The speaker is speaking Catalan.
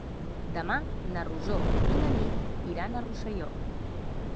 Demà na Rosó i na Nit iran a Rosselló.